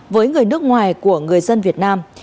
với người nước ngoài của người dân việt nam